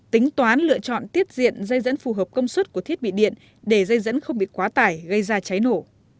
tính toán lựa chọn tiết diện dây dẫn phù hợp công suất của thiết bị điện để dây dẫn không bị quá tải gây ra cháy nổ